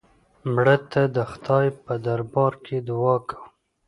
مړه ته د خدای په دربار کې دعا کوو